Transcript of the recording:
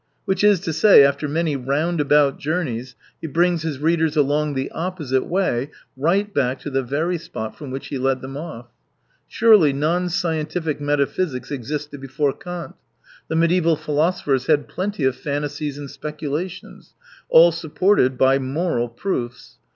Which is to say, after many round about journeys he brings his readers along the opposite way right back to the very spot from which he led them off. Surely non scientific metaphysics existed before Kant : the mediaeval philosophers had plenty of phantasies and speculations, all supported by " moral " proofs.